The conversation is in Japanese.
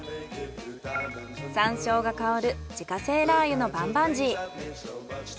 山椒が香る自家製ラー油のバンバンジー。